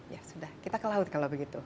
ya sudah kita ke laut kalau begitu